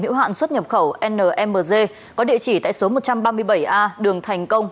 hữu hạn xuất nhập khẩu nmc có địa chỉ tại số một trăm ba mươi bảy a đường thành công